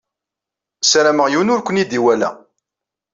Sarameɣ yiwen ur ken-id-iwala.